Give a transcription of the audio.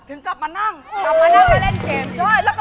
ถึงกลับมานั่ง